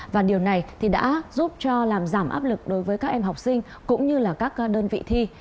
và điều này thì đã giúp cho làm giảm áp lực đối với các em học sinh cũng như là các đơn vị thi